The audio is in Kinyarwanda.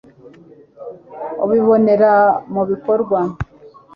ubibonera mu bikorwa